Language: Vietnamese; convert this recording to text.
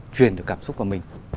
truyền được cảm xúc vào mình